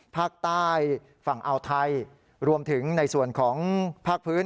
ภาคใต้ฝั่งอ่าวไทยรวมถึงในส่วนของภาคพื้น